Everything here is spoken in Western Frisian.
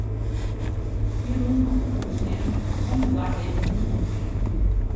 Wy rûnen om it hûs hinne om de foargevel te bewûnderjen.